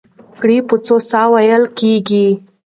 ګړه په څو ساه وو وېل کېږي؟